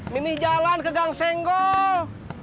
mimi jalan ke gang senggol